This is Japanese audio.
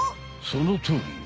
そのとおり！